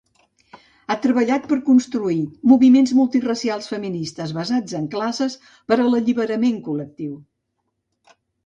Ha treballat per construir moviments multiracials feministes basats en classes per a l'alliberament col·lectiu.